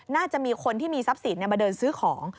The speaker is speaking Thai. น่าจะมีคนที่มีทรัพย์สินมาเดินซื้อของ